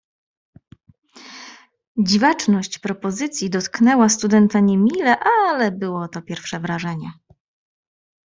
"Dziwaczność propozycji dotknęła studenta niemile, ale było to pierwsze wrażenie."